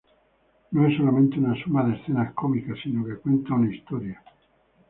No es solamente una suma de escenas cómicas sino que cuenta una historia.